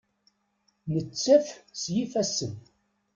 Nettat s yifassen.